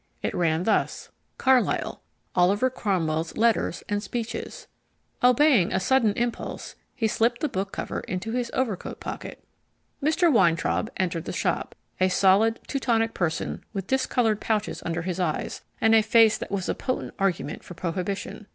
It ran thus: CARLYLE OLIVER CROMWELL'S LETTERS AND SPEECHES Obeying a sudden impulse, he slipped the book cover in his overcoat pocket. Mr. Weintraub entered the shop, a solid Teutonic person with discoloured pouches under his eyes and a face that was a potent argument for prohibition.